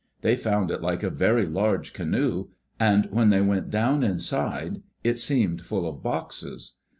They found it like a very large canoe, and when they went down inside it seemed full of boxes.